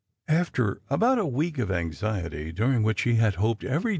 After about a week of anxiety, during which she had hoped every d.